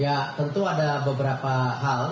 ya tentu ada beberapa hal